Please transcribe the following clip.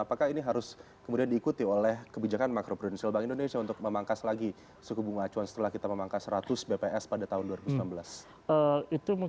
apakah ini harus kemudian diikuti oleh kebijakan makro prudensial bank indonesia untuk memangkas lagi suku bunga acuan setelah kita memangkas seratus bps pada tahun dua ribu sembilan belas